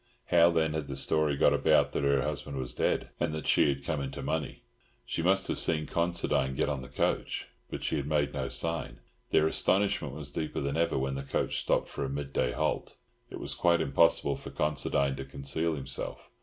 How then had the story got about that her husband was dead, and that she had come into money? She must have seen Considine get on the coach, but she had made no sign. Their astonishment was deeper than ever when the coach stopped for a midday halt. It was quite impossible for Considine to conceal himself.